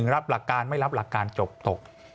รับหลักการไม่รับหลักการจบตก